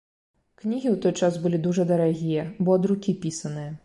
Кнігі ў той час былі дужа дарагія, бо ад рукі пісаныя.